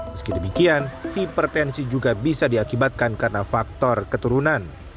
meski demikian hipertensi juga bisa diakibatkan karena faktor keturunan